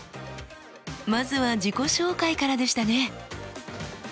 まずは自己紹介からでしたね。